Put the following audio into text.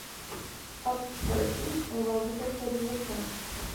Outsourcing envolve terceirização.